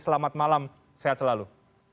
selamat malam sehat selalu